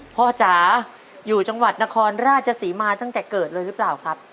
จ๋าอยู่จังหวัดนครราชศรีมาตั้งแต่เกิดเลยหรือเปล่าครับ